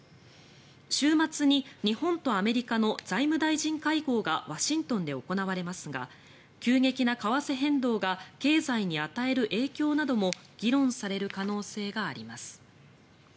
週末に日本とアメリカの財務大臣会合がワシントンで行われますが急激な為替変動が経済に与える影響なども議論される可能性があります。